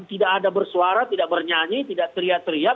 tidak ada bersuara tidak bernyanyi tidak teriak teriak